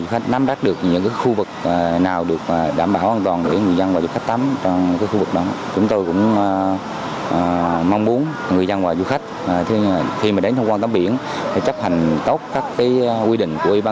hãy đăng ký kênh để ủng hộ kênh của chúng mình nhé